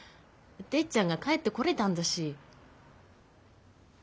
てっちゃんが帰ってこれたんだし。